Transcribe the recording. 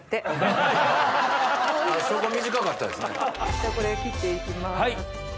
じゃあこれ切って行きます。